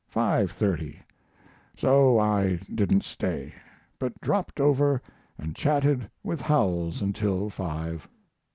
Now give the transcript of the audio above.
30 so I didn't stay, but dropped over and chatted with Howells until five.